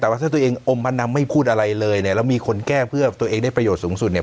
แต่ว่าถ้าตัวเองอมมานำไม่พูดอะไรเลยเนี่ยแล้วมีคนแก้เพื่อตัวเองได้ประโยชน์สูงสุดเนี่ย